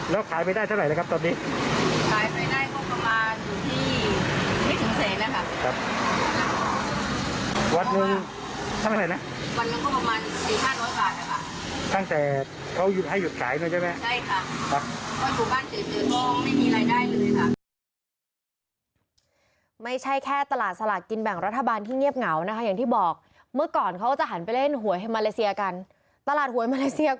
แล้วให้หยุดขายหน่อยใช่ไหม